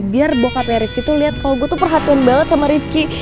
biar bokapnya rifqi tuh liat kalau gue tuh perhatian banget sama rifqi